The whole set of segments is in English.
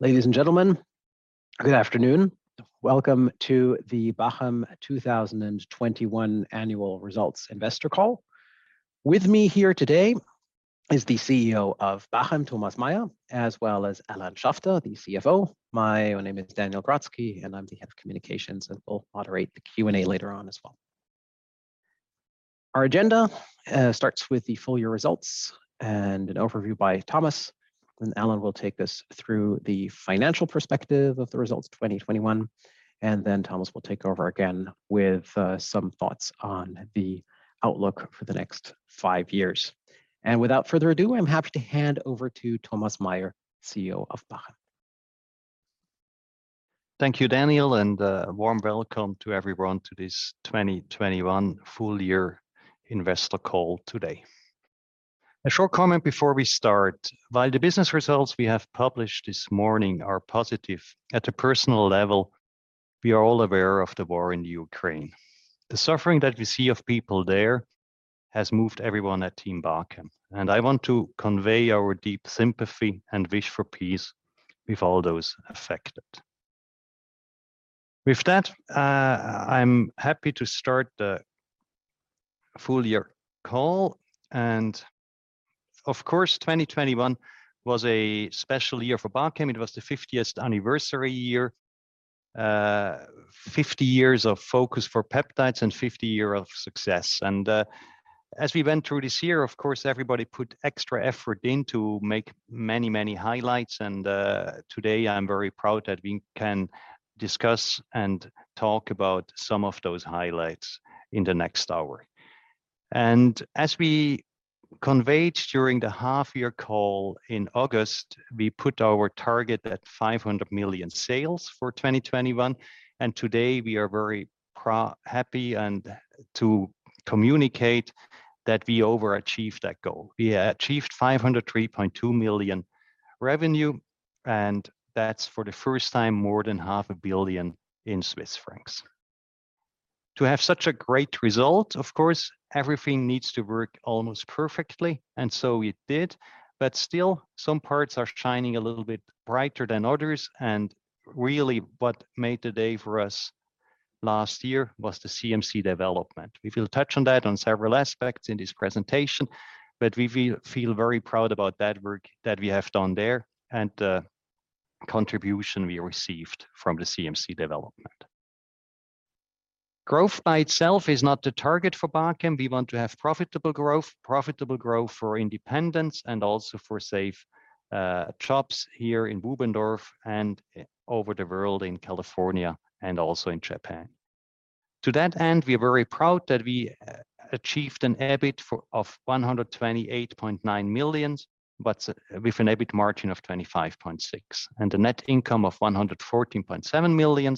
Ladies and gentlemen, good afternoon. Welcome to the Bachem 2021 annual results investor call. With me here today is the CEO of Bachem, Thomas Meier, as well as Alain Schaffter, the CFO. My own name is Daniel Grotzky, and I'm the head of communications and will moderate the Q&A later on as well. Our agenda starts with the full year results and an overview by Thomas. Then Alain will take us through the financial perspective of the results 2021, and then Thomas will take over again with some thoughts on the outlook for the next five years. Without further ado, I'm happy to hand over to Thomas Meier, CEO of Bachem. Thank you, Daniel, and a warm welcome to everyone to this 2021 full year investor call today. A short comment before we start. While the business results we have published this morning are positive, at a personal level, we are all aware of the war in Ukraine. The suffering that we see of people there has moved everyone at Team Bachem, and I want to convey our deep sympathy and wish for peace with all those affected. With that, I'm happy to start the full year call. Of course, 2021 was a special year for Bachem. It was the 50th anniversary year. 50 years of focus for peptides and 50 year of success. As we went through this year, of course, everybody put extra effort in to make many, many highlights. Today I'm very proud that we can discuss and talk about some of those highlights in the next hour. As we conveyed during the half year call in August, we put our target at 500 million sales for 2021, and today we are very happy to communicate that we overachieved that goal. We achieved 503.2 million revenue, and that's for the first time more than half a billion CHF. To have such a great result, of course, everything needs to work almost perfectly, and so it did. Still, some parts are shining a little bit brighter than others, and really what made the day for us last year was the CMC development. We will touch on that on several aspects in this presentation, but we feel very proud about that work that we have done there and the contribution we received from the CMC development. Growth by itself is not the target for Bachem. We want to have profitable growth, profitable growth for independence and also for safe jobs here in Bubendorf and over the world in California and also in Japan. To that end, we are very proud that we achieved an EBIT of 128.9 million, but with an EBIT margin of 25.6% and a net income of 114.7 million,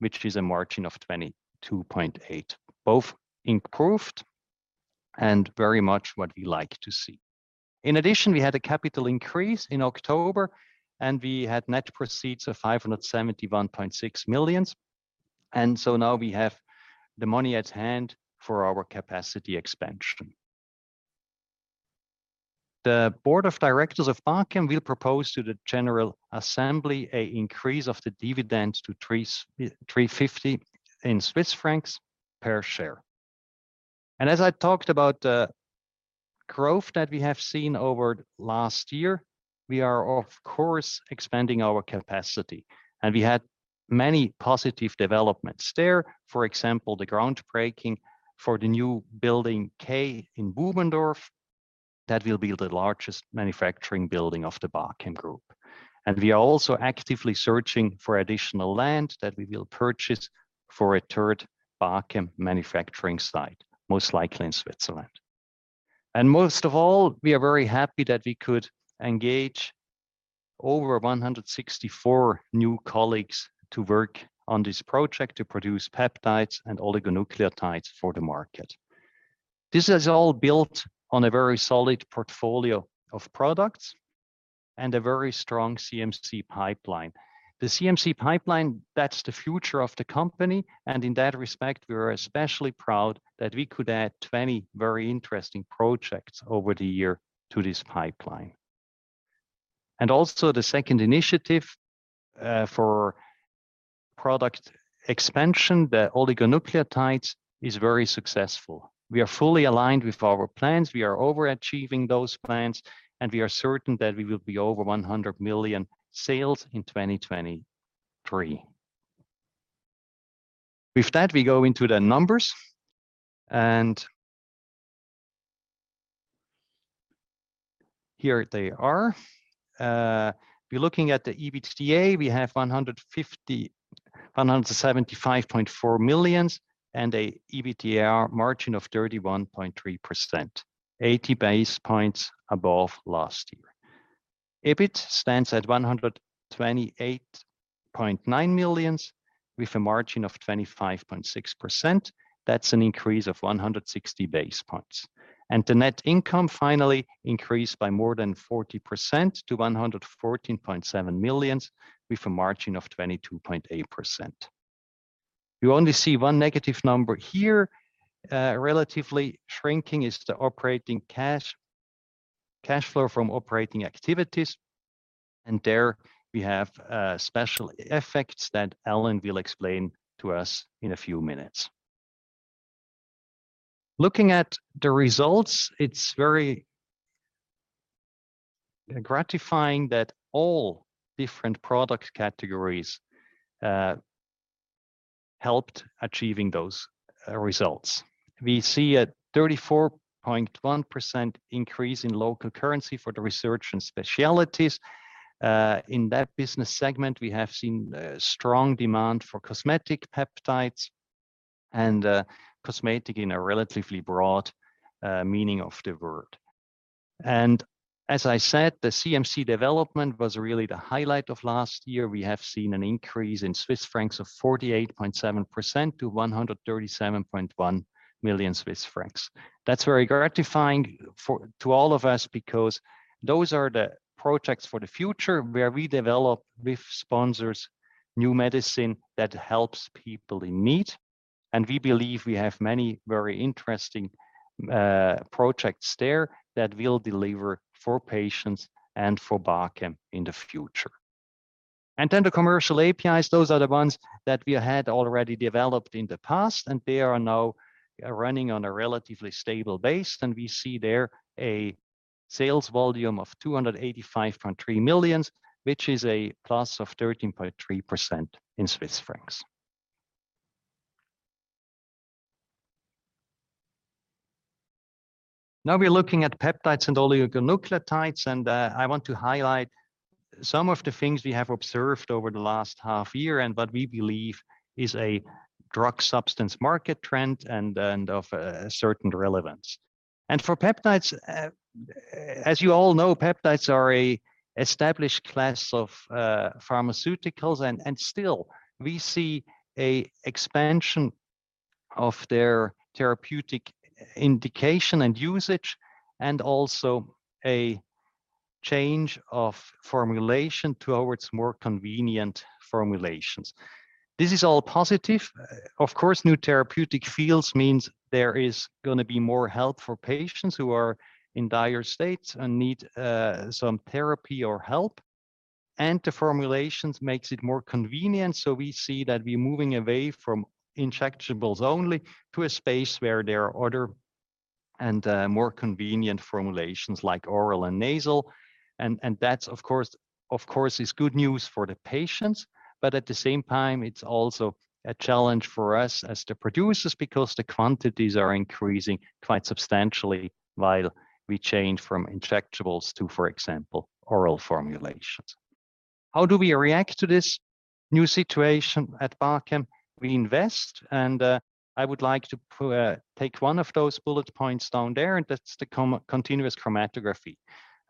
which is a margin of 22.8%, both improved and very much what we like to see. In addition, we had a capital increase in October, and we had net proceeds of 571.6 million. Now we have the money at hand for our capacity expansion. The board of directors of Bachem will propose to the general assembly an increase of the dividends to 3.50 Swiss francs per share. As I talked about the growth that we have seen over last year, we are of course expanding our capacity, and we had many positive developments there. For example, the groundbreaking for the new Building K in Bubendorf, that will be the largest manufacturing building of the Bachem Group. We are also actively searching for additional land that we will purchase for a third Bachem manufacturing site, most likely in Switzerland. Most of all, we are very happy that we could engage over 164 new colleagues to work on this project to produce peptides and oligonucleotides for the market. This is all built on a very solid portfolio of products and a very strong CMC pipeline. The CMC pipeline, that's the future of the company. In that respect, we are especially proud that we could add 20 very interesting projects over the year to this pipeline. Also the second initiative, for product expansion, the oligonucleotides, is very successful. We are fully aligned with our plans. We are over-achieving those plans, and we are certain that we will be over 100 million sales in 2023. With that, we go into the numbers and here they are. If you're looking at the EBITDA, we have 175.4 million and an EBITDA margin of 31.3%, 80 base points above last year. EBIT stands at 128.9 million with a margin of 25.6%. That's an increase of 160 base points. The net income finally increased by more than 40% to 114.7 million, with a margin of 22.8%. You only see one negative number here. Relatively shrinking is the operating cash flow from operating activities. There we have special effects that Alain will explain to us in a few minutes. Looking at the results, it's very gratifying that all different product categories helped achieving those results. We see a 34.1% increase in local currency for the Research and Specialties. In that business segment, we have seen strong demand for cosmetic peptides and cosmetic in a relatively broad meaning of the word. As I said, the CMC development was really the highlight of last year. We have seen an increase in Swiss francs of 48.7% to 137.1 million Swiss francs. That's very gratifying to all of us because those are the projects for the future where we develop with sponsors new medicine that helps people in need. We believe we have many very interesting projects there that will deliver for patients and for Bachem in the future. Then the commercial APIs, those are the ones that we had already developed in the past, and they are now running on a relatively stable base. We see there a sales volume of 285.3 million, which is +13.3% in Swiss francs. Now we're looking at peptides and oligonucleotides, and I want to highlight some of the things we have observed over the last half year and what we believe is a drug substance market trend and of a certain relevance. For peptides, as you all know, peptides are a established class of pharmaceuticals and still we see a expansion of their therapeutic indication and usage, and also a change of formulation towards more convenient formulations. This is all positive. Of course, new therapeutic fields means there is gonna be more help for patients who are in dire states and need some therapy or help. The formulations makes it more convenient, so we see that we're moving away from injectables only to a space where there are other and more convenient formulations like oral and nasal. That's of course is good news for the patients. At the same time, it's also a challenge for us as the producers because the quantities are increasing quite substantially while we change from injectables to, for example, oral formulations. How do we react to this new situation at Bachem? We invest, and I would like to take one of those bullet points down there, and that's the continuous chromatography.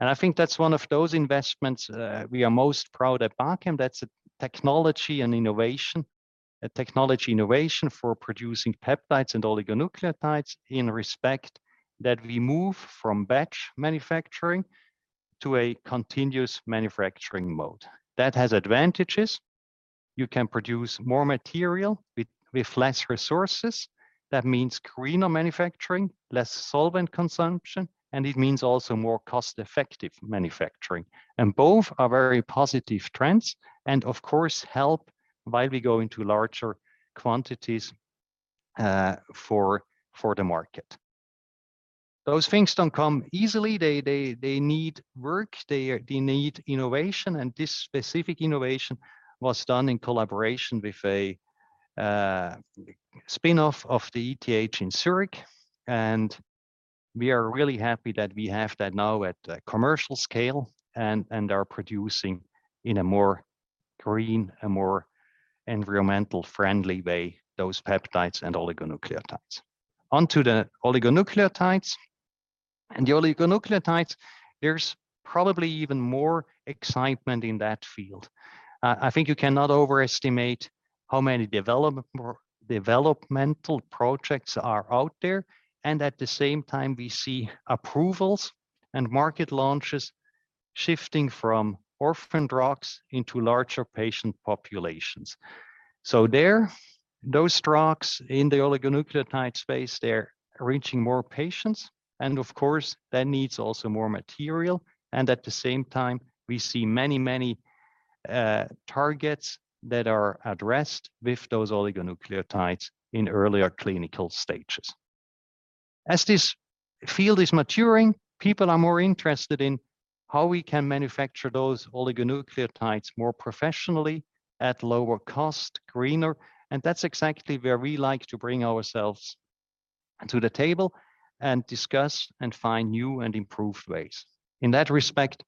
I think that's one of those investments, we are most proud at Bachem. That's a technology innovation for producing peptides and oligonucleotides in that respect we move from batch manufacturing to a continuous manufacturing mode. That has advantages. You can produce more material with less resources. That means greener manufacturing, less solvent consumption, and it means also more cost-effective manufacturing. Both are very positive trends and of course help while we go into larger quantities, for the market. Those things don't come easily. They need work. They need innovation. This specific innovation was done in collaboration with a spin-off of the ETH Zurich. We are really happy that we have that now at commercial scale and are producing in a more green and more environmentally friendly way, those peptides and oligonucleotides. Onto the oligonucleotides. The oligonucleotides, there's probably even more excitement in that field. I think you cannot overestimate how many developmental projects are out there. At the same time, we see approvals and market launches shifting from orphan drugs into larger patient populations. There, those drugs in the oligonucleotide space, they're reaching more patients, and of course, that needs also more material. At the same time, we see many targets that are addressed with those oligonucleotides in earlier clinical stages. As this field is maturing, people are more interested in how we can manufacture those oligonucleotides more professionally at lower cost, greener. That's exactly where we like to bring ourselves to the table and discuss and find new and improved ways. In that respect,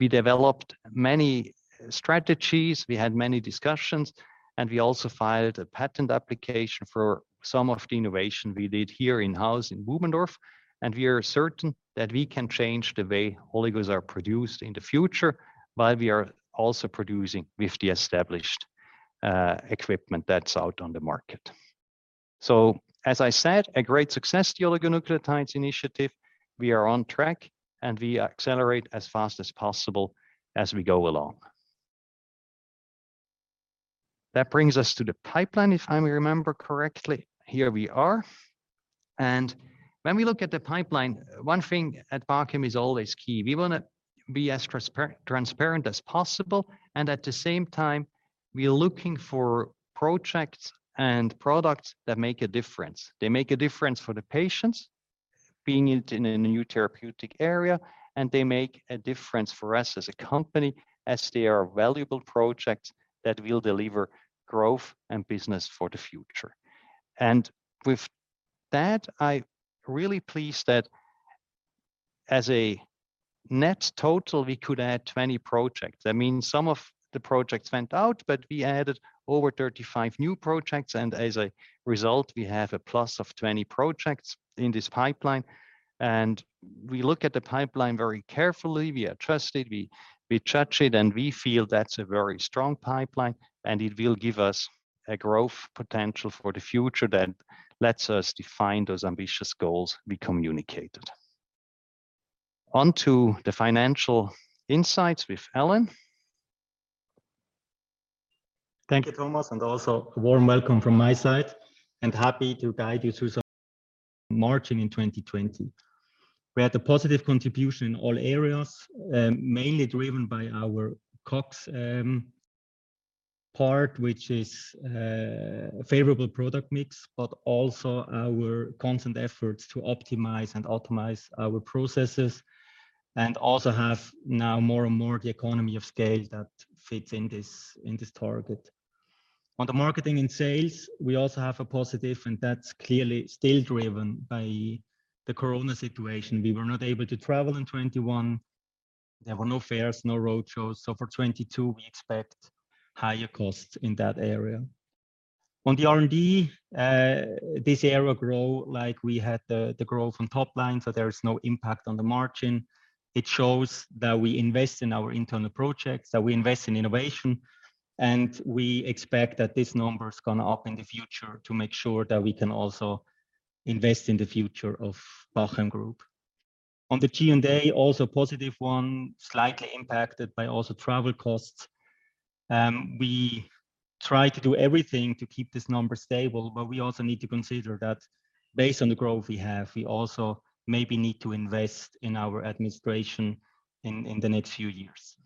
we developed many strategies, we had many discussions, and we also filed a patent application for some of the innovation we did here in-house in Bubendorf. We are certain that we can change the way oligos are produced in the future, while we are also producing with the established equipment that's out on the market. As I said, a great success, the oligonucleotides initiative. We are on track, and we accelerate as fast as possible as we go along. That brings us to the pipeline, if I may remember correctly. Here we are. When we look at the pipeline, one thing at Bachem is always key. We want to be as transparent as possible, and at the same time, we are looking for projects and products that make a difference. They make a difference for the patients being in a new therapeutic area, and they make a difference for us as a company as they are valuable projects that will deliver growth and business for the future. With that, I'm really pleased that as a net total, we could add 20 projects. I mean, some of the projects went out, but we added over 35 new projects, and as a result, we have a plus of 20 projects in this pipeline. We look at the pipeline very carefully. We address it, we judge it, and we feel that's a very strong pipeline, and it will give us a growth potential for the future that lets us define those ambitious goals we communicated. On to the financial insights with Alain. Thank you, Thomas, and also a warm welcome from my side, and happy to guide you through the margin in 2020. We had a positive contribution in all areas, mainly driven by our COGS part, which is favorable product mix, but also our constant efforts to optimize our processes, and also have now more and more the economy of scale that fits in this target. On the marketing and sales, we also have a positive, and that's clearly still driven by the corona situation. We were not able to travel in 2021. There were no fairs, no road shows. For 2022, we expect higher costs in that area. On the R&D, this area grow like we had the growth on top line, so there is no impact on the margin. It shows that we invest in our internal projects, that we invest in innovation, and we expect that this number is going up in the future to make sure that we can also invest in the future of Bachem Group. On the G&A, also positive one, slightly impacted by also travel costs. We try to do everything to keep this number stable, but we also need to consider that based on the growth we have, we also maybe need to invest in our administration in the next few years.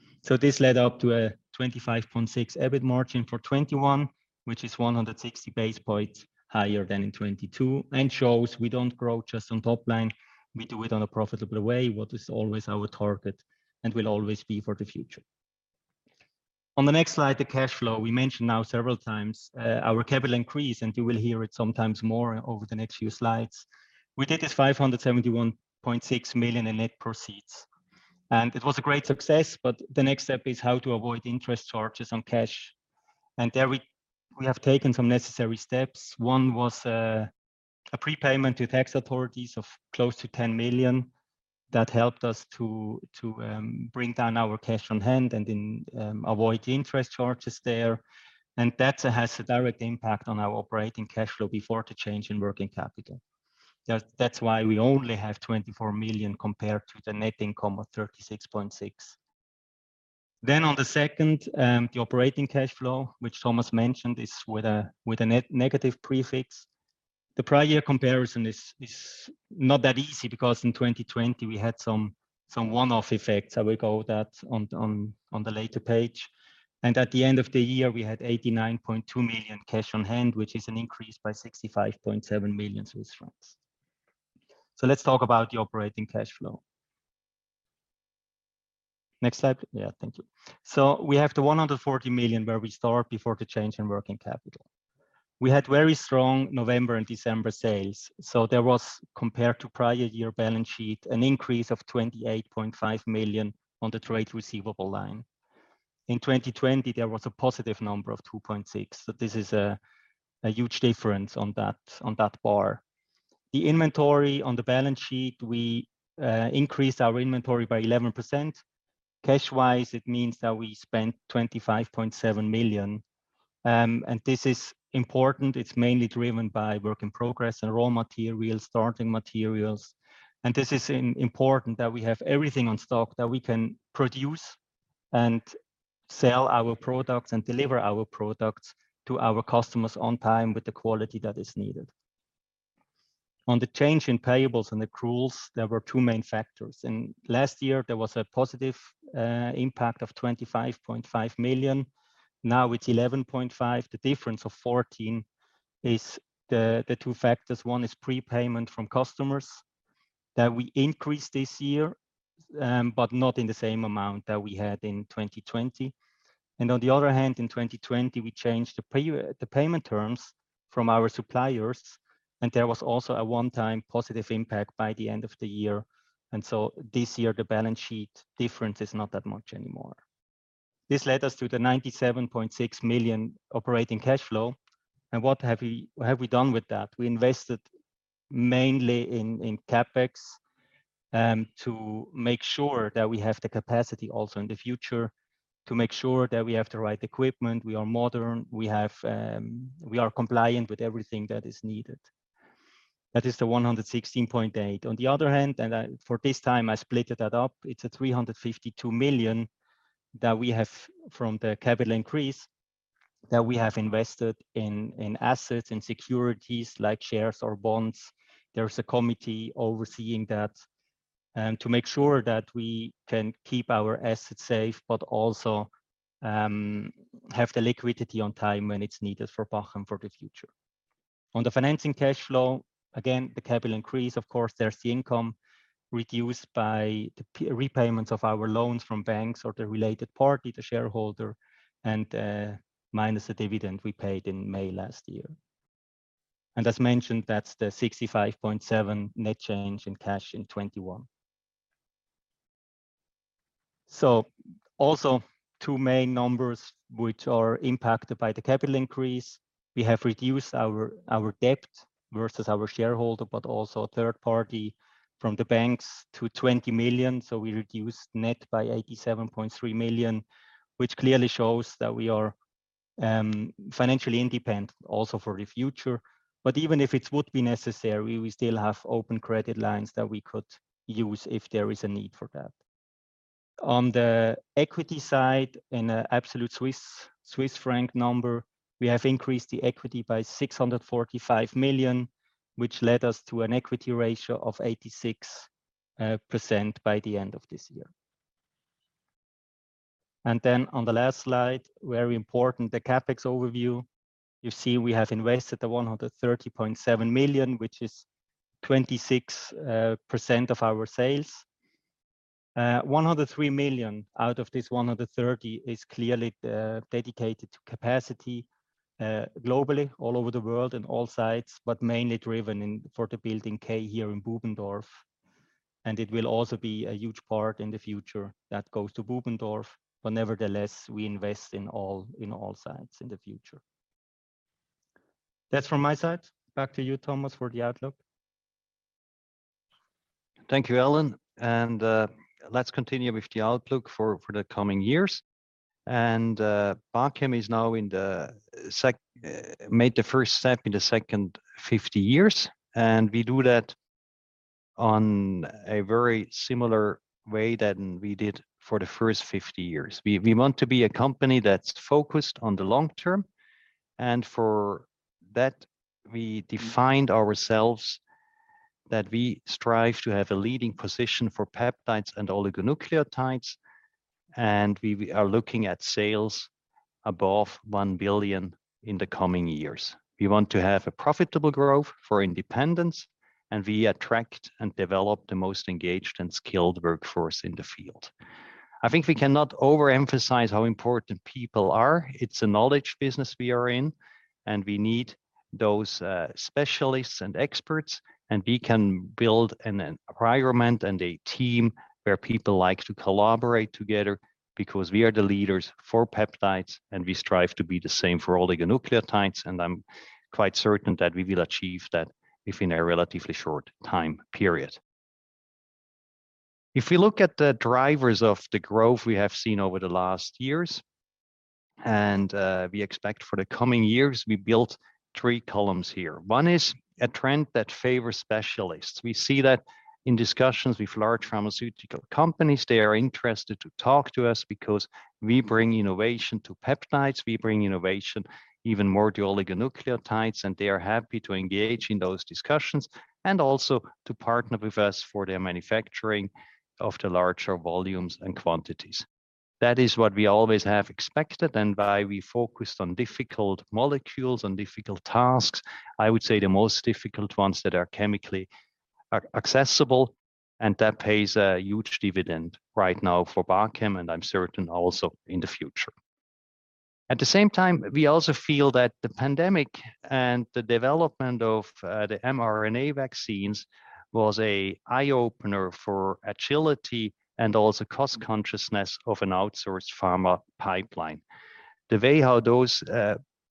This led up to a 25.6% EBIT margin for 2021, which is 160 basis points higher than in 2022 and shows we don't grow just on top line. We do it on a profitable way, what is always our target and will always be for the future. On the next slide, the cash flow. We mentioned now several times our capital increase, and you will hear it sometimes more over the next few slides. We did this 571.6 million in net proceeds. It was a great success, but the next step is how to avoid interest charges on cash. There we have taken some necessary steps. One was a prepayment to tax authorities of close to 10 million that helped us to bring down our cash on hand and then avoid interest charges there. That has a direct impact on our operating cash flow before the change in working capital. That's why we only have 24 million compared to the net income of 36.6 million. On the second, the operating cash flow, which Thomas mentioned, is with a negative prefix. The prior year comparison is not that easy because in 2020 we had some one-off effects. I will go into that on the later page. At the end of the year, we had 89.2 million cash on hand, which is an increase by 65.7 million Swiss francs. Let's talk about the operating cash flow. Next slide. Yeah. Thank you. We have the 140 million where we start before the change in working capital. We had very strong November and December sales. There was, compared to prior year balance sheet, an increase of 28.5 million on the trade receivable line. In 2020, there was a positive number of 2.6. This is a huge difference on that bar. The inventory on the balance sheet, we increased our inventory by 11%. Cash-wise, it means that we spent 25.7 million. This is important. It's mainly driven by work in progress and raw material, starting materials. This is important that we have everything on stock that we can produce and sell our products and deliver our products to our customers on time with the quality that is needed. On the change in payables and accruals, there were two main factors. In last year, there was a positive impact of 25.5 million. Now it's 11.5. The difference of 14 is the two factors. One is prepayment from customers that we increased this year, but not in the same amount that we had in 2020. On the other hand, in 2020, we changed the payment terms from our suppliers, and there was also a one-time positive impact by the end of the year. This year, the balance sheet difference is not that much anymore. This led us to the 97.6 million operating cash flow. What have we done with that? We invested mainly in CapEx to make sure that we have the capacity also in the future, to make sure that we have the right equipment, we are modern, we have, we are compliant with everything that is needed. That is the 116.8 million. On the other hand, for this time I split that up, it's 352 million that we have from the capital increase that we have invested in assets and securities like shares or bonds. There's a committee overseeing that to make sure that we can keep our assets safe, but also have the liquidity on time when it's needed for Bachem for the future. On the financing cash flow, again, the capital increase, of course, there's the income reduced by the repayments of our loans from banks or the related party, the shareholder, and minus the dividend we paid in May last year. As mentioned, that's the 65.7 net change in cash in 2021. Also two main numbers which are impacted by the capital increase. We have reduced our debt versus our shareholder, but also third party from the banks to 20 million, so we reduced net by 87.3 million, which clearly shows that we are financially independent also for the future. But even if it would be necessary, we still have open credit lines that we could use if there is a need for that. On the equity side, in absolute Swiss franc number, we have increased the equity by 645 million, which led us to an equity ratio of 86% by the end of this year. On the last slide, very important, the CapEx overview. You see we have invested 130.7 million, which is 26% of our sales. 103 million out of this 130 million is clearly dedicated to capacity globally all over the world in all sites, but mainly driven in for the Building K here in Bubendorf, and it will also be a huge part in the future that goes to Bubendorf. Nevertheless, we invest in all sites in the future. That's from my side. Back to you, Thomas, for the outlook. Thank you, Alain. Let's continue with the outlook for the coming years. Bachem is now in the second 50 years. We made the first step in the second 50 years, and we do that on a very similar way than we did for the first 50 years. We want to be a company that's focused on the long term. For that, we defined ourselves that we strive to have a leading position for peptides and oligonucleotides, and we are looking at sales above 1 billion in the coming years. We want to have a profitable growth for independence, and we attract and develop the most engaged and skilled workforce in the field. I think we cannot overemphasize how important people are. It's a knowledge business we are in, and we need those specialists and experts, and we can build an environment and a team where people like to collaborate together because we are the leaders for peptides, and we strive to be the same for oligonucleotides, and I'm quite certain that we will achieve that within a relatively short time period. If we look at the drivers of the growth we have seen over the last years, and we expect for the coming years, we built three columns here. One is a trend that favors specialists. We see that in discussions with large pharmaceutical companies. They are interested to talk to us because we bring innovation to peptides, we bring innovation even more to oligonucleotides, and they are happy to engage in those discussions and also to partner with us for their manufacturing of the larger volumes and quantities. That is what we always have expected and why we focused on difficult molecules and difficult tasks, I would say the most difficult ones that are chemically accessible, and that pays a huge dividend right now for Bachem, and I'm certain also in the future. At the same time, we also feel that the pandemic and the development of the mRNA vaccines was an eye-opener for agility and also cost consciousness of an outsourced pharma pipeline. The way how those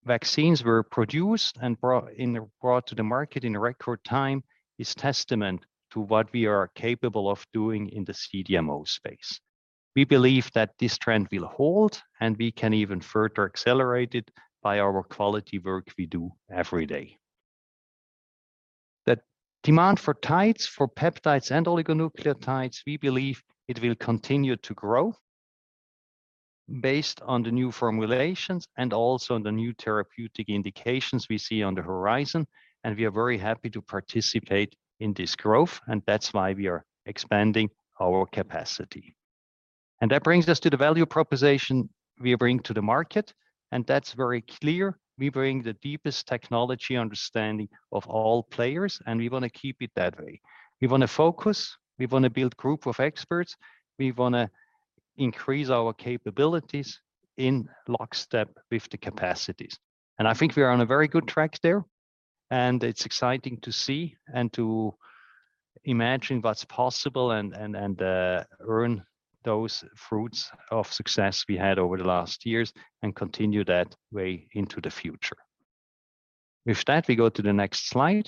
vaccines were produced and brought to the market in a record time is testament to what we are capable of doing in the CDMO space. We believe that this trend will hold, and we can even further accelerate it by our quality work we do every day. The demand for tides, for peptides and oligonucleotides, we believe it will continue to grow based on the new formulations and also the new therapeutic indications we see on the horizon, and we are very happy to participate in this growth, and that's why we are expanding our capacity. That brings us to the value proposition we bring to the market, and that's very clear. We bring the deepest technology understanding of all players, and we wanna keep it that way. We wanna focus, we wanna build group of experts, we wanna increase our capabilities in lockstep with the capacities. I think we are on a very good track there, and it's exciting to see and to imagine what's possible and earn those fruits of success we had over the last years and continue that way into the future. With that, we go to the next slide.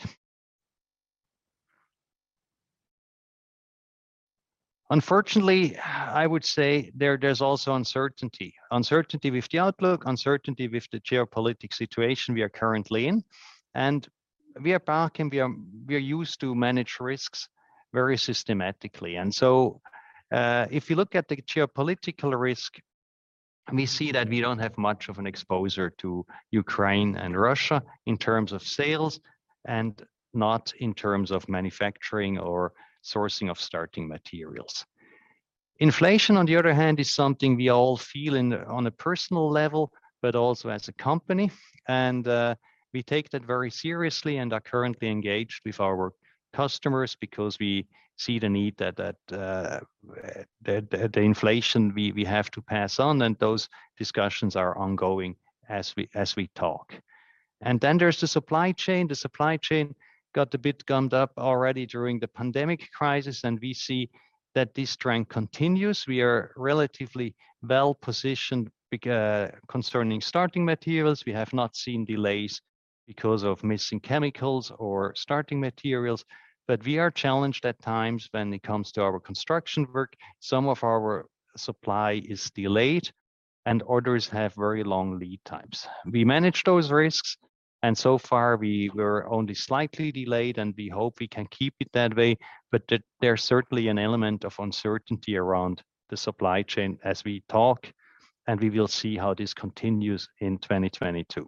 Unfortunately, I would say there's also uncertainty. Uncertainty with the outlook, uncertainty with the geopolitical situation we are currently in. We at Bachem are used to manage risks very systematically. If you look at the geopolitical risk, we see that we don't have much of an exposure to Ukraine and Russia in terms of sales and not in terms of manufacturing or sourcing of starting materials. Inflation, on the other hand, is something we all feel it on a personal level, but also as a company. We take that very seriously and are currently engaged with our customers because we see the need that the inflation we have to pass on, and those discussions are ongoing as we talk. Then there's the supply chain. The supply chain got a bit gummed up already during the pandemic crisis, and we see that this trend continues. We are relatively well-positioned because concerning starting materials. We have not seen delays because of missing chemicals or starting materials, but we are challenged at times when it comes to our construction work. Some of our supply is delayed, and orders have very long lead times. We manage those risks, and so far we were only slightly delayed, and we hope we can keep it that way. There's certainly an element of uncertainty around the supply chain as we talk, and we will see how this continues in 2022.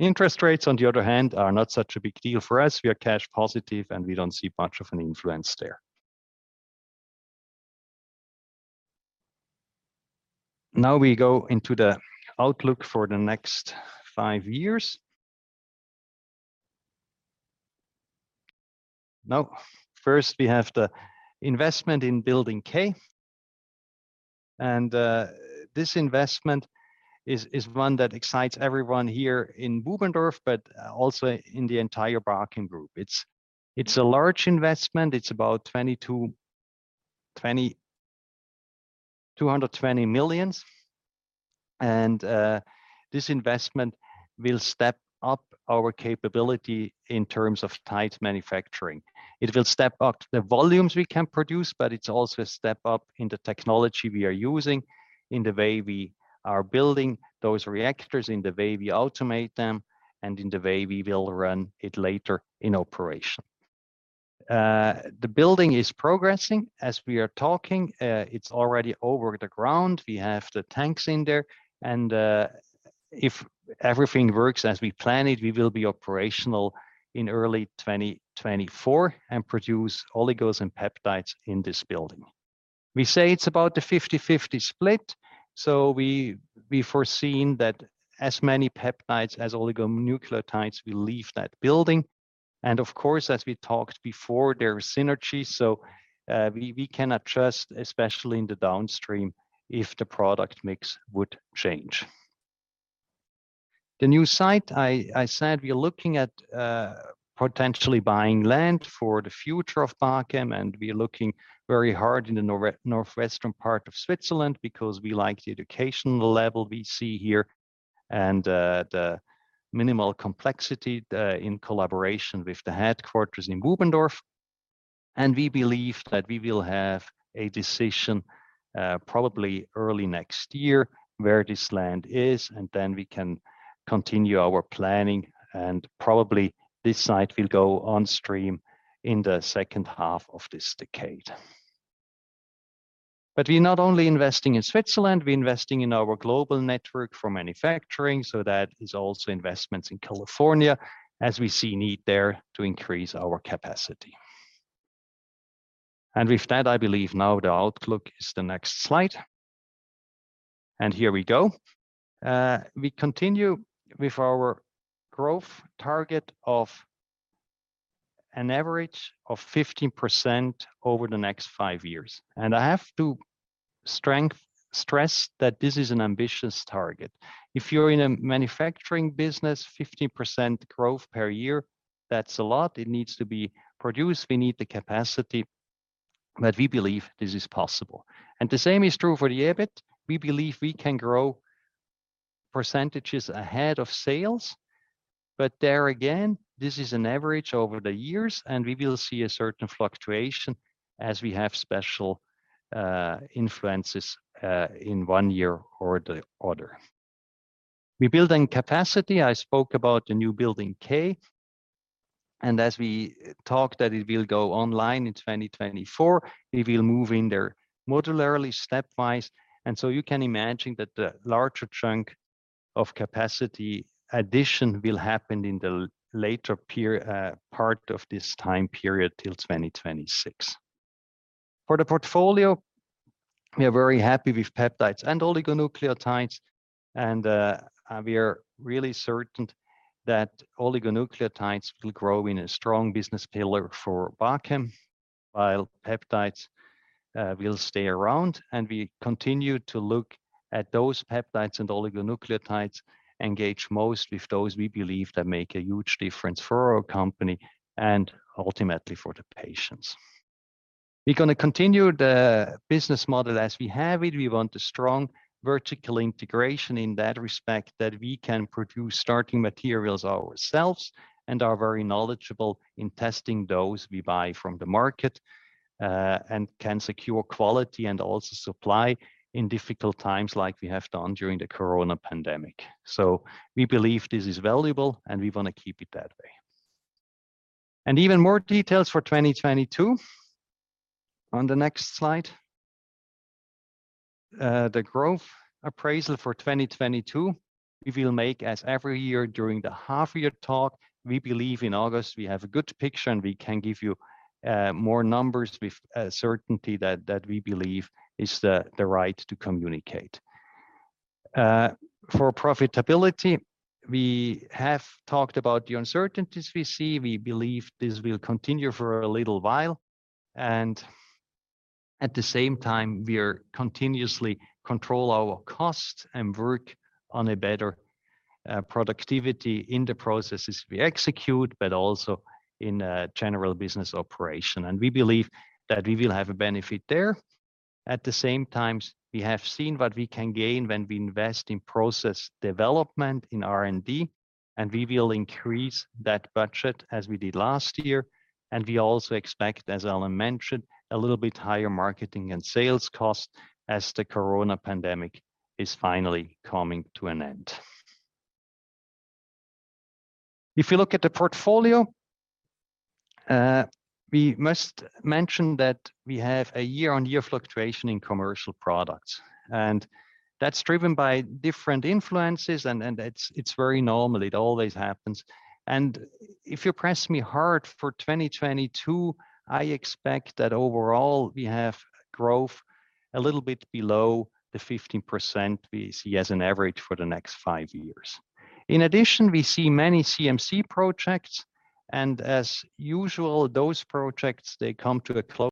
Interest rates, on the other hand, are not such a big deal for us. We are cash positive, and we don't see much of an influence there. Now we go into the outlook for the next five years. Now, first, we have the investment in Building K. This investment is one that excites everyone here in Bubendorf but also in the entire Bachem Group. It's a large investment. It's about 220 million. This investment will step up our capability in terms of peptide manufacturing. It will step up the volumes we can produce, but it's also a step up in the technology we are using, in the way we are building those reactors, in the way we automate them, and in the way we will run it later in operation. The building is progressing as we are talking. It's already over the ground. We have the tanks in there. If everything works as we plan it, we will be operational in early 2024 and produce oligos and peptides in this building. We say it's about a 50/50 split, so we've foreseen that as many peptides as oligonucleotides will leave that building. Of course, as we talked before, there are synergies, so we can adjust, especially in the downstream, if the product mix would change. The new site, I said we are looking at potentially buying land for the future of Bachem, and we are looking very hard in the northwestern part of Switzerland because we like the educational level we see here and the minimal complexity in collaboration with the headquarters in Bubendorf. We believe that we will have a decision probably early next year where this land is, and then we can continue our planning, and probably this site will go on stream in the second half of this decade. We're not only investing in Switzerland, we're investing in our global network for manufacturing, so that is also investments in California as we see need there to increase our capacity. With that, I believe now the outlook is the next slide. Here we go. We continue with our growth target of an average of 15% over the next five years. I have to stress that this is an ambitious target. If you're in a manufacturing business, 15% growth per year, that's a lot. It needs to be produced. We need the capacity, but we believe this is possible. The same is true for the EBIT. We believe we can grow percentages ahead of sales. There again, this is an average over the years, and we will see a certain fluctuation as we have special influences in one year or the other. We're building capacity. I spoke about the new Building K. As we talked that it will go online in 2024, we will move in there modularly, stepwise. You can imagine that the larger chunk of capacity addition will happen in the later part of this time period till 2026. For the portfolio, we are very happy with peptides and oligonucleotides. We are really certain that oligonucleotides will grow in a strong business pillar for Bachem, while peptides will stay around. We continue to look at those peptides and oligonucleotides, engage most with those we believe that make a huge difference for our company and ultimately for the patients. We're gonna continue the business model as we have it. We want a strong vertical integration in that respect that we can produce starting materials ourselves and are very knowledgeable in testing those we buy from the market, and can secure quality and also supply in difficult times like we have done during the corona pandemic. We believe this is valuable, and we wanna keep it that way. Even more details for 2022 on the next slide. The growth appraisal for 2022, we will make as every year during the half year talk. We believe in August we have a good picture, and we can give you more numbers with certainty that we believe is the right to communicate. For profitability, we have talked about the uncertainties we see. We believe this will continue for a little while, and at the same time, we are continuously control our costs and work on a better productivity in the processes we execute but also in general business operation. We believe that we will have a benefit there. At the same time, we have seen what we can gain when we invest in process development in R&D, and we will increase that budget as we did last year. We also expect, as Alain mentioned, a little bit higher marketing and sales costs as the corona pandemic is finally coming to an end. If you look at the portfolio, we must mention that we have a year-on-year fluctuation in commercial products. That's driven by different influences, and it's very normal. It always happens. If you press me hard for 2022, I expect that overall we have growth a little bit below the 15% we see as an average for the next five years. In addition, we see many CMC projects, and as usual, those projects, they come to a close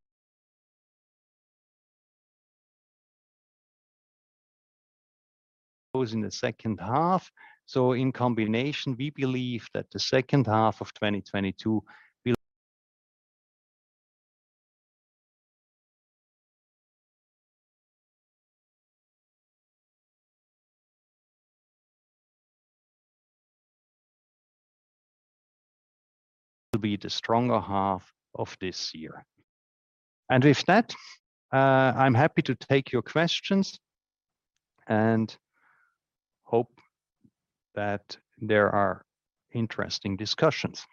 in the second half. In combination, we believe that the second half of 2022 will be the stronger half of this year. With that, I'm happy to take your questions and hope that there are interesting discussions.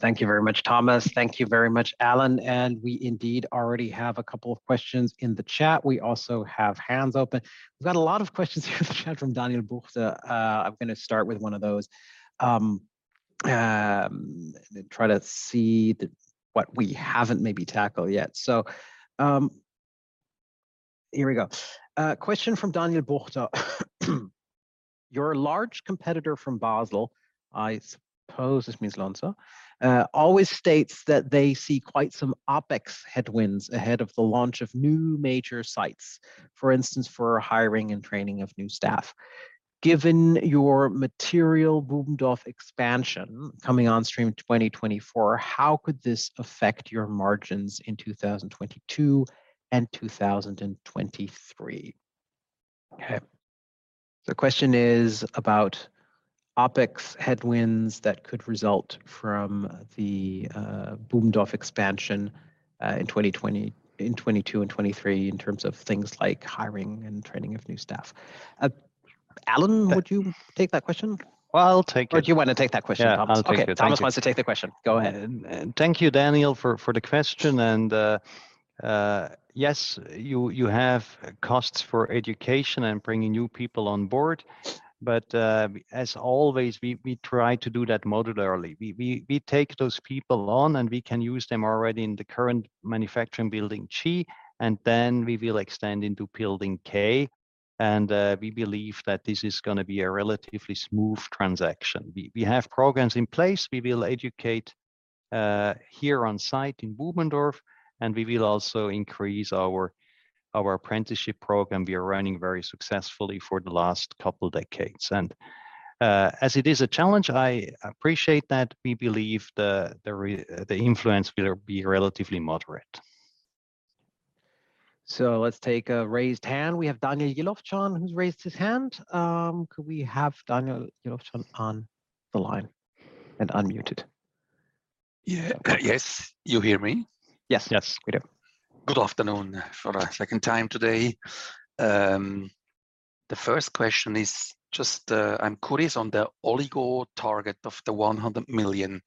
Thank you very much, Thomas. Thank you very much, Alain. We indeed already have a couple of questions in the chat. We also have hands up. We've got a lot of questions in the chat from Daniel Buchta. I'm gonna start with one of those, what we haven't maybe tackled yet. Here we go. A question from Daniel Buchta. "Your large competitor from Basel," I suppose this means Lonza, "always states that they see quite some OpEx headwinds ahead of the launch of new major sites, for instance, for hiring and training of new staff. Given your material Bubendorf expansion coming on stream in 2024, how could this affect your margins in 2022 and 2023?" Okay. The question is about OpEx headwinds that could result from the Bubendorf expansion in 2022 and 2023 in terms of things like hiring and training of new staff. Alain, would you take that question? I'll take it. Do you wanna take that question, Thomas? Yeah, I'll take it. Thank you. Okay, Thomas wants to take the question. Go ahead. Thank you, Daniel, for the question. Yes, you have costs for education and bringing new people on board. As always, we try to do that modularly. We take those people on, and we can use them already in the current manufacturing building G. Then we will extend into Building K, and we believe that this is gonna be a relatively smooth transaction. We have programs in place. We will educate here on site in Bubendorf, and we will also increase our apprenticeship program we are running very successfully for the last couple decades. As it is a challenge, I appreciate that. We believe the influence will be relatively moderate. Let's take a raised hand. We have Daniel Jelovcan who's raised his hand. Could we have Daniel Jelovcan on the line and unmuted? Yeah. Yes. You hear me? Yes. Yes. We do. Good afternoon for a second time today. The first question is just, I'm curious on the oligo target of 100 million.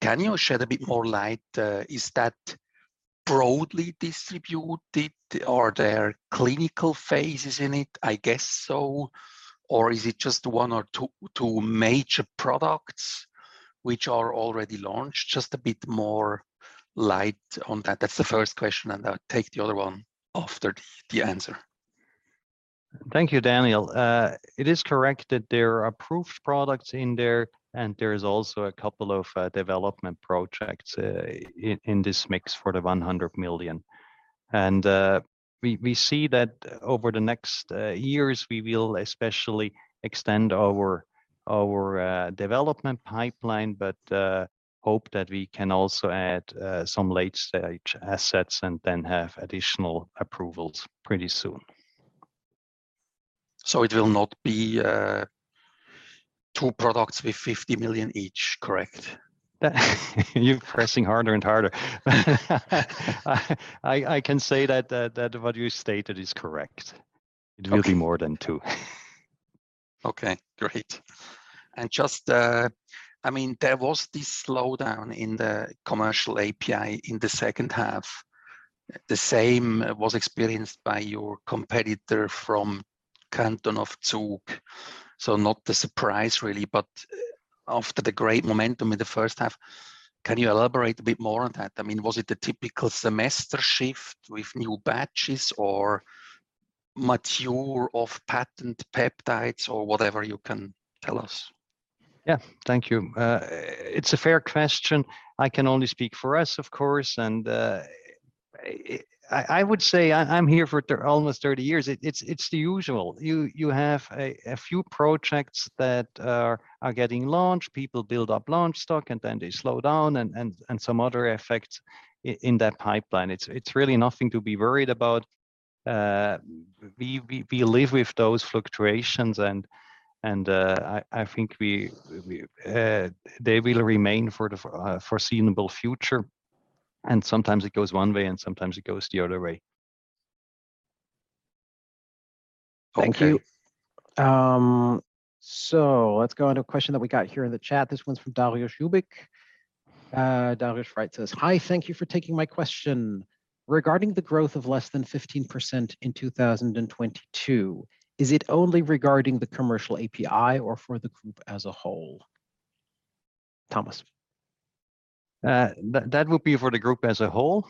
Can you shed a bit more light? Is that broadly distributed? Are there clinical phases in it? I guess so. Or is it just one or two major products which are already launched? Just a bit more light on that. That's the first question, and I'll take the other one after the answer. Thank you, Daniel. It is correct that there are approved products in there, and there is also a couple of development projects in this mix for the 100 million. We see that over the next years we will especially extend our development pipeline, but hope that we can also add some late-stage assets and then have additional approvals pretty soon. It will not be two products with 50 million each, correct? You're pressing harder and harder. I can say that what you stated is correct. Okay. It will be more than two. Okay, great. Just, I mean, there was this slowdown in the commercial API in the second half. The same was experienced by your competitor from Canton of Zug, so not a surprise really. After the great momentum in the first half, can you elaborate a bit more on that? I mean, was it a typical semester shift with new batches or mature off-patent peptides or whatever you can tell us? Yeah. Thank you. It's a fair question. I can only speak for us, of course. I would say I'm here for almost 30 years. It's the usual. You have a few projects that are getting launched. People build up launch stock and then they slow down and some other effects in that pipeline. It's really nothing to be worried about. We live with those fluctuations and I think we. They will remain for the foreseeable future, and sometimes it goes one way and sometimes it goes the other way. Okay. Thank you. Let's go on to a question that we got here in the chat. This one's from Dariusz Ubik. Dariusz writes to us, "Hi. Thank you for taking my question. Regarding the growth of less than 15% in 2022, is it only regarding the commercial API or for the group as a whole?" Thomas. That would be for the group as a whole.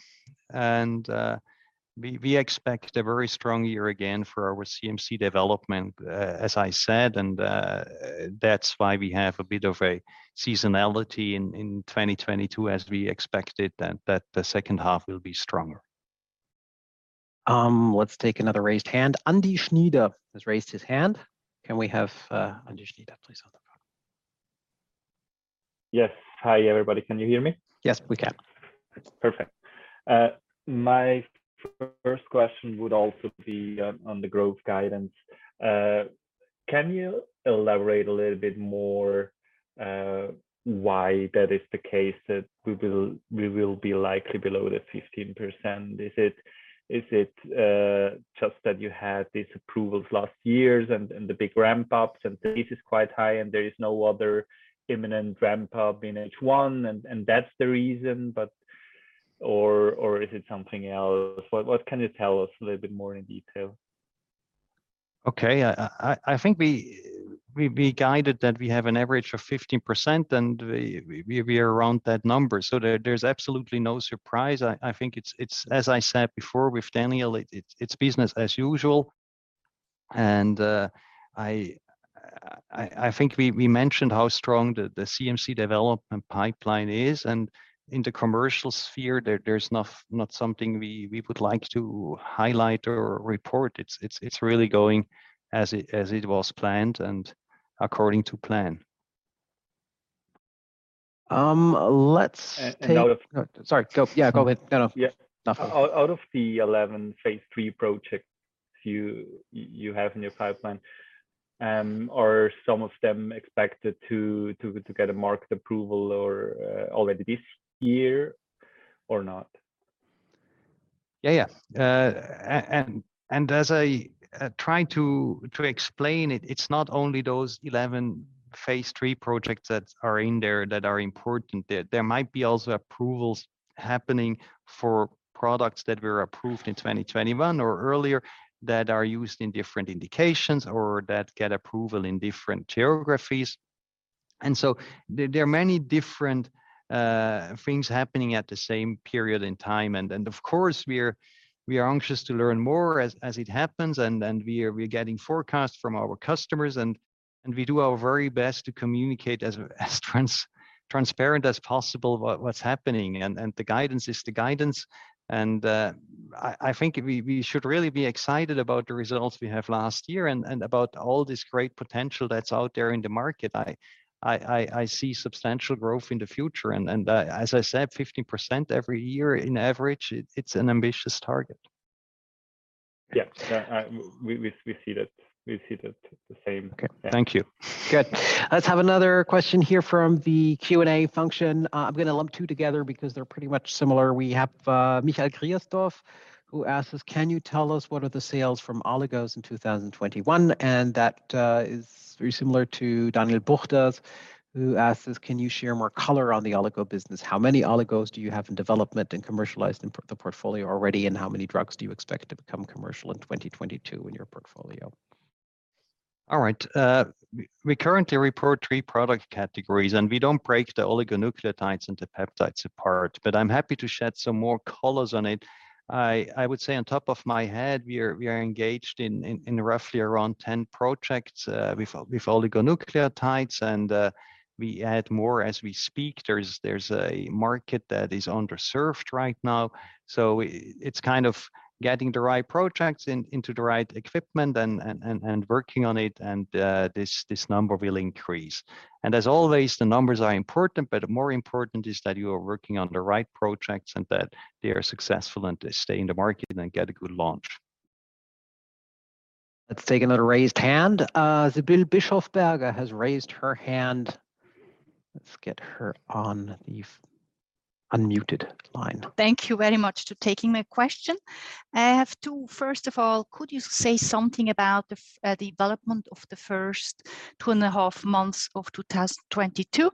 We expect a very strong year again for our CMC development, as I said. That's why we have a bit of a seasonality in 2022 as we expected that the second half will be stronger. Let's take another raised hand. Andi Schnider has raised his hand. Can we have Andi Schnider, please, on the phone? Yes. Hi, everybody. Can you hear me? Yes, we can. Perfect. My first question would also be on the growth guidance. Can you elaborate a little bit more why that is the case that we will be likely below the 15%? Is it just that you had these approvals last years and the big ramp-ups and the base is quite high and there is no other imminent ramp-up in H1 and that's the reason, but. Or is it something else? What can you tell us a little bit more in detail? Okay. I think we guided that we have an average of 15% and we are around that number. There's absolutely no surprise. I think it's as I said before with Daniel. It's business as usual. I think we mentioned how strong the CMC development pipeline is, and in the commercial sphere there's not something we would like to highlight or report. It's really going as it was planned and according to plan. Let's take- And, and out of- Sorry. Go. Yeah, go ahead. No, no. Yeah. No. Go ahead. Out of the 11 phase III projects you have in your pipeline, are some of them expected to get a market approval or already this year or not? Yeah. As I try to explain it's not only those 11 phase III projects that are in there that are important. There might be also approvals happening for products that were approved in 2021 or earlier that are used in different indications or that get approval in different geographies. There are many different things happening at the same period in time. Of course we are anxious to learn more as it happens and we're getting forecasts from our customers and we do our very best to communicate as transparent as possible what's happening. The guidance is the guidance. I think we should really be excited about the results we have last year and about all this great potential that's out there in the market. I see substantial growth in the future and, as I said, 15% every year on average, it's an ambitious target. Yeah. We see that. We see that the same. Okay. Thank you. Good. Let's have another question here from the Q&A function. I'm gonna lump two together because they're pretty much similar. We have Michael Christof who asks us, "Can you tell us what are the sales from oligos in 2021?" And that is very similar to Daniel Buchta's, who asks us, "Can you share more color on the oligo business? How many oligos do you have in development and commercialized in the portfolio already? And how many drugs do you expect to become commercial in 2022 in your portfolio? All right. We currently report three product categories, and we don't break the oligonucleotides and the peptides apart, but I'm happy to shed some more colors on it. I would say off the top of my head, we are engaged in roughly around 10 projects with oligonucleotides and we add more as we speak. There's a market that is underserved right now. It's kind of getting the right projects into the right equipment and working on it, and this number will increase. As always, the numbers are important, but more important is that you are working on the right projects and that they are successful, and they stay in the market and get a good launch. Let's take another raised hand. Sibylle Bischofberger has raised her hand. Let's get her on the unmuted line. Thank you very much for taking my question. I have two. First of all, could you say something about the development of the first 2 and a half months of 2022?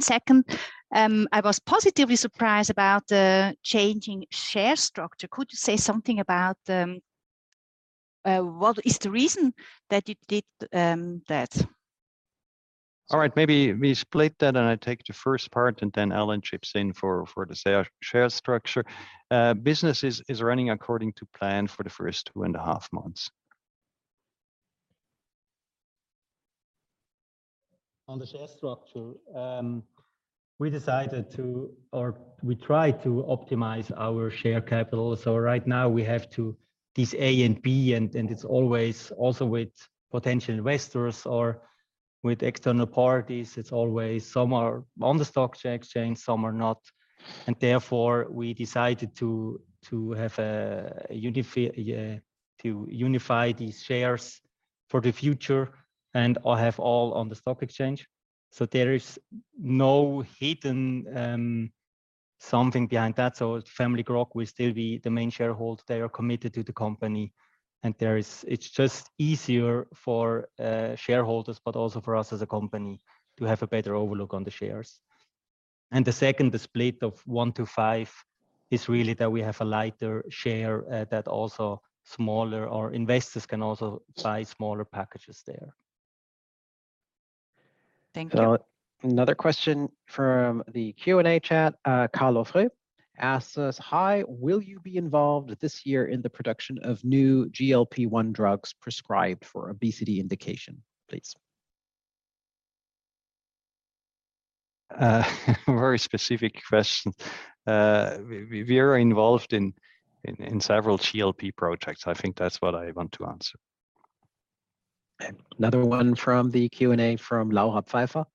Second, I was positively surprised about the changing share structure. Could you say something about what is the reason that you did that? All right. Maybe we split that, and I take the first part, and then Alain chips in for the share structure. Business is running according to plan for the first 2.5 months. On the share structure, we try to optimize our share capital. Right now we have two: this A and B, and it's always, also with potential investors or with external parties, it's always some are on the stock exchange, some are not. Therefore, we decided to unify these shares for the future and have all on the stock exchange. There is no hidden something behind that. Grogg family will still be the main shareholder. They are committed to the company. It's just easier for shareholders, but also for us as a company to have a better overview on the shares. The second split of 1-5 is really that we have a lighter share, that also smaller investors can also buy smaller packages there. Thank you. Another question from the Q&A chat. Carlo Frey asks us, "Hi, will you be involved this year in the production of new GLP-1 drugs prescribed for obesity indication, please? Very specific question. We are involved in several GLP projects. I think that's what I want to answer. Another one from the Q&A from Laura Pfeifer-Rossi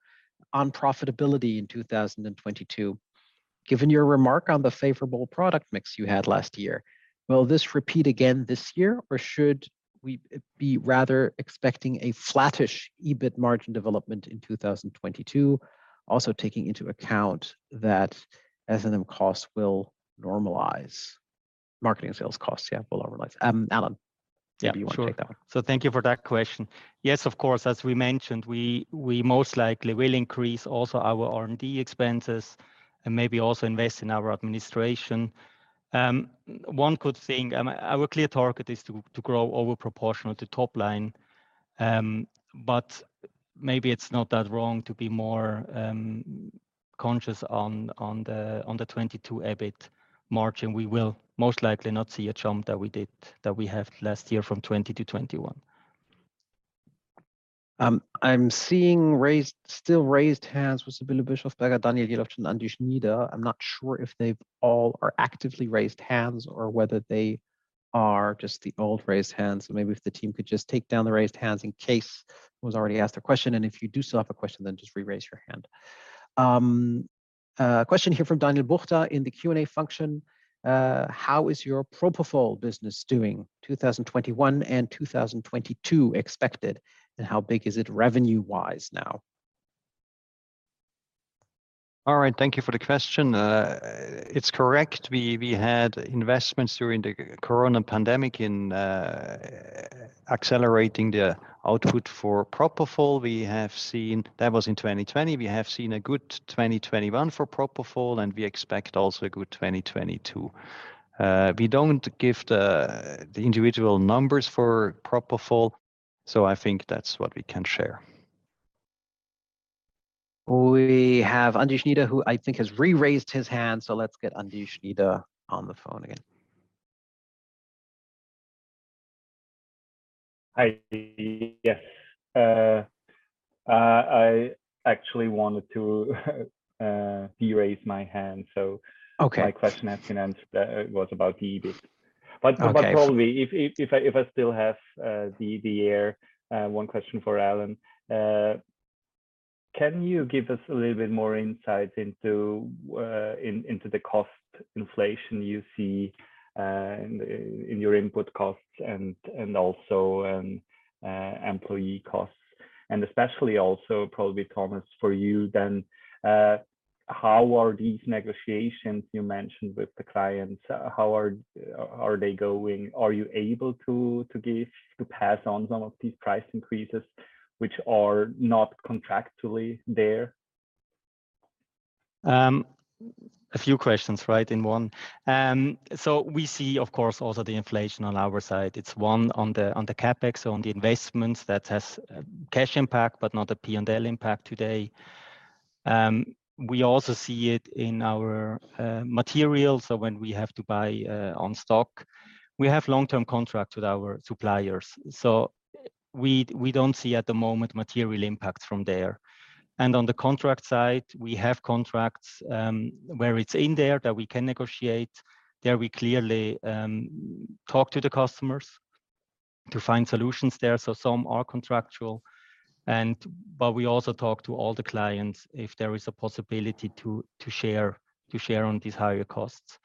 on profitability in 2022. Given your remark on the favorable product mix you had last year, will this repeat again this year, or should we be rather expecting a flattish EBIT margin development in 2022, also taking into account that S&M costs will normalize? Marketing and sales costs, yeah, will normalize. Alain, maybe you want to take that one. Yeah, sure. Thank you for that question. Yes, of course, as we mentioned, we most likely will increase also our R&D expenses and maybe also invest in our administration. One could think, our clear target is to grow over proportional to top line, but maybe it's not that wrong to be more conscious on the 2022 EBIT margin. We will most likely not see a jump that we have last year from 2020 to 2021. I'm seeing raised, still raised hands with Sibylle Bischofberger, Daniel Jelovcan, and Andi Schnider. I'm not sure if they all are actively raised hands or whether they are just the old raised hands. Maybe if the team could just take down the raised hands in case it was already asked a question. If you do still have a question, then just re-raise your hand. A question here from Daniel Buchta in the Q&A function. How is your propofol business doing, 2021 and 2022 expected, and how big is it revenue-wise now? All right. Thank you for the question. It's correct. We had investments during the corona pandemic in accelerating the output for propofol. That was in 2020. We have seen a good 2021 for propofol, and we expect also a good 2022. We don't give the individual numbers for propofol, so I think that's what we can share. We have Andi Schnider, who I think has re-raised his hand, so let's get Andi Schnider on the phone again. Hi. Yes. I actually wanted to de-raise my hand. Okay. My question has been answered. It was about the EBIT. Okay. Probably if I still have the air, one question for Alain. Can you give us a little bit more insight into the cost inflation you see in your input costs and also employee costs? Especially also probably, Thomas, for you then, how are these negotiations you mentioned with the clients, how are they going? Are you able to pass on some of these price increases which are not contractually there? A few questions, right, in one. We see of course also the inflation on our side. It's on the CapEx, on the investments that has cash impact, but not a P&L impact today. We also see it in our materials. When we have to buy in stock, we have long-term contracts with our suppliers. We don't see at the moment material impact from there. On the contract side, we have contracts where it's in there that we can negotiate. There we clearly talk to the customers to find solutions there. Some are contractual. We also talk to all the clients if there is a possibility to share on these higher costs.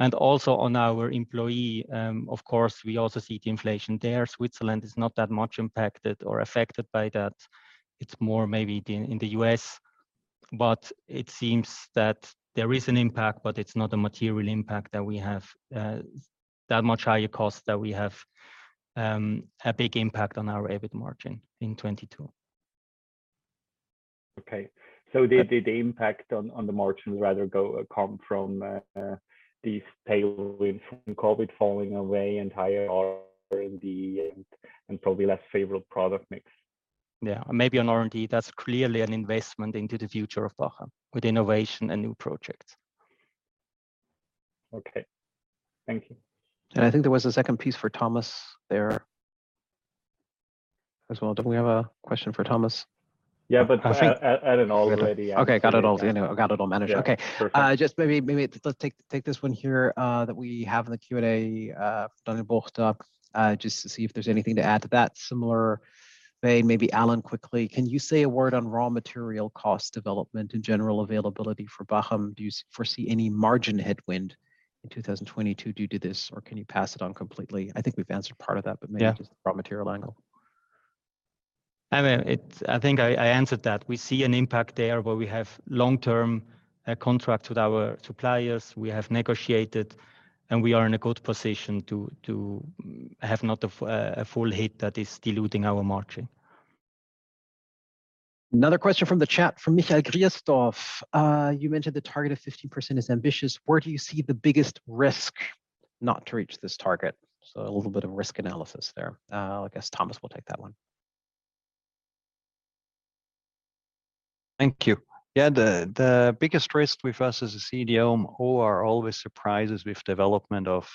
On our employees, of course, we also see the inflation there. Switzerland is not that much impacted or affected by that. It's more maybe in the U.S., but it seems that there is an impact, but it's not a material impact that we have that much higher cost that we have a big impact on our EBIT margin in 2022. The impact on the margins rather comes from these tailwinds from COVID falling away and higher R&D and probably less favorable product mix. Yeah. Maybe on R&D, that's clearly an investment into the future of Bachem with innovation and new projects. Okay. Thank you. I think there was a second piece for Thomas there as well. Don't we have a question for Thomas? Yeah, but I- I think- I had it all already. Okay. Got it all. Anyway, got it all managed. Yeah. Okay. Perfect. Just maybe let's take this one here that we have in the Q&A, Daniel Buchta, just to see if there's anything to add to that similar vein. Maybe Alain quickly. Can you say a word on raw material cost development and general availability for Bachem? Do you foresee any margin headwind in 2022 due to this, or can you pass it on completely? I think we've answered part of that. Yeah Maybe just the raw material angle. I mean, I think I answered that. We see an impact there where we have long-term contract with our suppliers. We have negotiated, and we are in a good position to have not a full hit that is diluting our margin. Another question from the chat from Michael Christof. You mentioned the target of 50% is ambitious. Where do you see the biggest risk not to reach this target? A little bit of risk analysis there. I guess Thomas will take that one. Thank you. Yeah. The biggest risk with us as a CDMO are always surprises with development of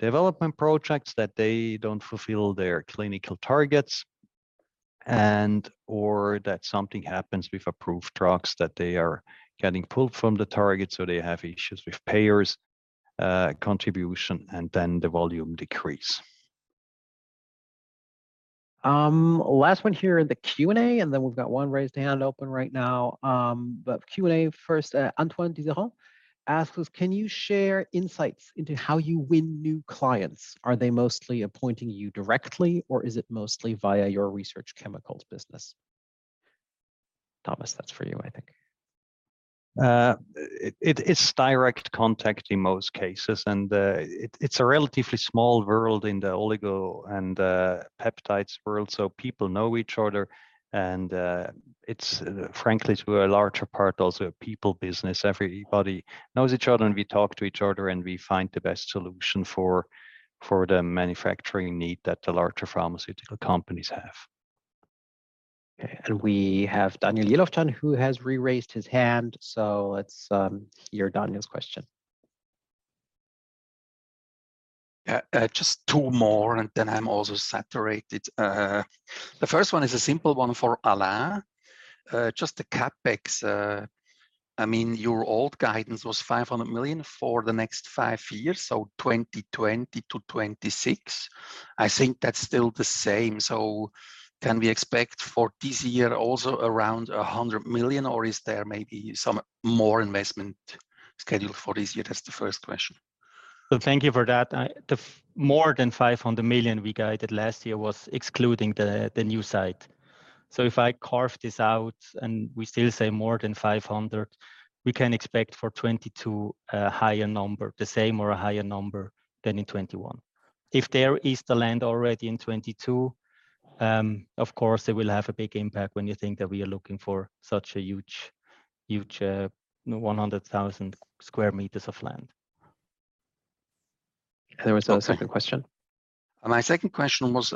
development projects that they don't fulfill their clinical targets and, or that something happens with approved drugs that they are getting pulled from the target, so they have issues with payers contribution, and then the volume decrease. Last one here in the Q&A, and then we've got one raised hand open right now. Q&A first, Antoine Dizerens asks, "Can you share insights into how you win new clients? Are they mostly appointing you directly, or is it mostly via your research chemicals business?" Thomas, that's for you, I think. It is direct contact in most cases, and it's a relatively small world in the oligo and peptides world, so people know each other and it's frankly to a larger part also a people business. Everybody knows each other, and we talk to each other, and we find the best solution for the manufacturing need that the larger pharmaceutical companies have. Okay. We have Daniel Jelovcan who has re-raised his hand. Let's hear Daniel's question. Just two more, and then I'm also saturated. The first one is a simple one for Alain. Just the CapEx, I mean, your old guidance was 500 million for the next five years, so 2020 to 2026. I think that's still the same. Can we expect for this year also around 100 million, or is there maybe some more investment scheduled for this year? That's the first question. Thank you for that. The more than 500 million we guided last year was excluding the new site. If I carve this out and we still say more than 500 million, we can expect for 2022 a higher number, the same or a higher number than in 2021. If there is the land already in 2022, of course, it will have a big impact when you think that we are looking for such a huge 100,000 sq m of land. There was a second question. My second question was,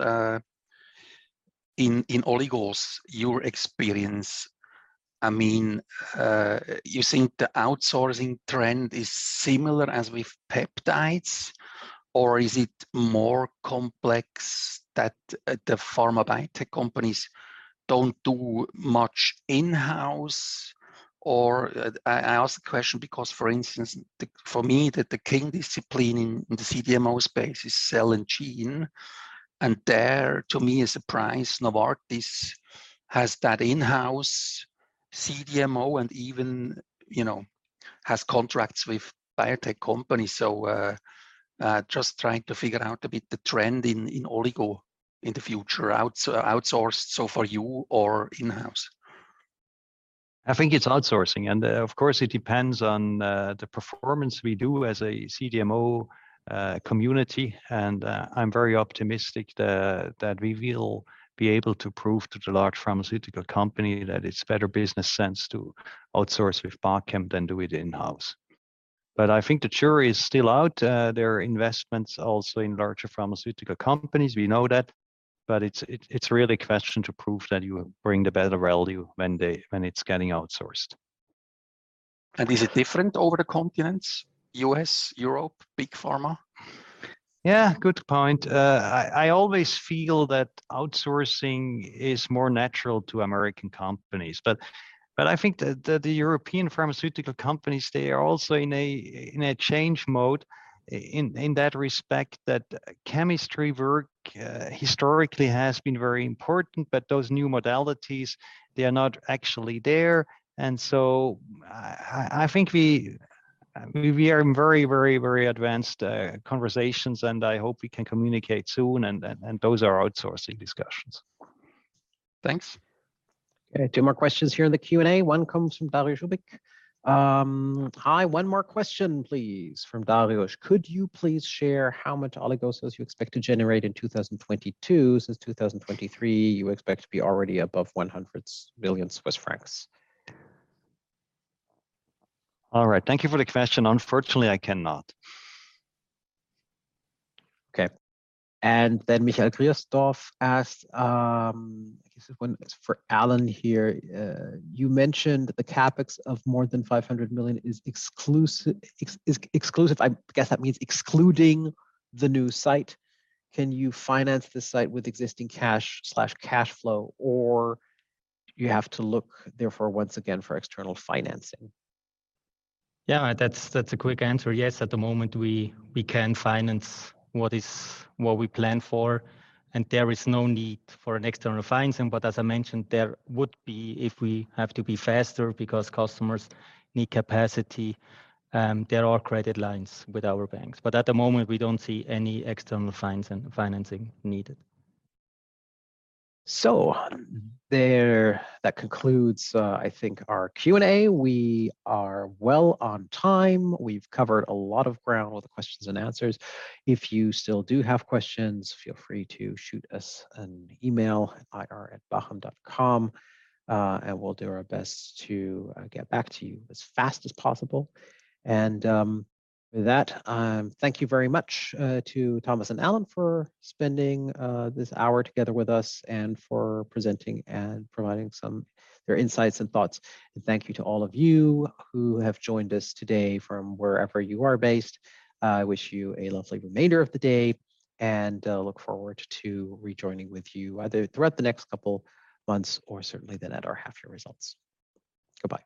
in oligos, your experience, I mean, you think the outsourcing trend is similar as with peptides, or is it more complex that the pharma biotech companies don't do much in-house? I ask the question because, for instance, for me, the key discipline in the CDMO space is cell and gene, and there, to me, is a prize. Novartis has that in-house CDMO and even, you know, has contracts with biotech companies. Just trying to figure out a bit the trend in oligo in the future, outsourced, so for you or in-house. I think it's outsourcing. Of course, it depends on the performance we do as a CDMO community. I'm very optimistic that we will be able to prove to the large pharmaceutical company that it's better business sense to outsource with Bachem than do it in-house. I think the jury is still out. There are investments also in larger pharmaceutical companies, we know that, but it's really a question to prove that you bring the better value when it's getting outsourced. Is it different over the continents, U.S., Europe, big pharma? Yeah, good point. I always feel that outsourcing is more natural to American companies. I think that the European pharmaceutical companies, they are also in a change mode in that respect that chemistry work historically has been very important. Those new modalities, they are not actually there. I think we are in very advanced conversations, and I hope we can communicate soon, and those are outsourcing discussions. Thanks. Okay, two more questions here in the Q&A. One comes from Dariusz Ubik. "Hi, one more question please," from Dariusz. "Could you please share how much oligos you expect to generate in 2022, since 2023 you expect to be already above 100 million Swiss francs? All right. Thank you for the question. Unfortunately, I cannot. Okay. Then Michael Christof asked, I guess this one is for Alain here. "You mentioned the CapEx of more than 500 million is exclusive," I guess that means excluding, "the new site. Can you finance this site with existing cash or cash flow, or you have to look for it once again for external financing? Yeah, that's a quick answer. Yes, at the moment, we can finance what we plan for, and there is no need for an external financing. As I mentioned, there would be if we have to be faster because customers need capacity, there are credit lines with our banks. At the moment, we don't see any external financing needed. There, that concludes, I think our Q&A. We are well on time. We've covered a lot of ground with the questions and answers. If you still do have questions, feel free to shoot us an email, ir@bachem.com, and we'll do our best to get back to you as fast as possible. With that, thank you very much to Thomas and Alain for spending this hour together with us and for presenting and providing some of your insights and thoughts. Thank you to all of you who have joined us today from wherever you are based. I wish you a lovely remainder of the day, and look forward to rejoining with you either throughout the next couple months or certainly then at our half-year results. Goodbye.